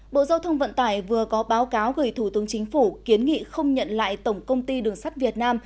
bộ giao thông vận tải vừa có báo cáo gửi thủ tướng chính phủ kiến nghị không nhận lại tổng công ty đường sắt việt nam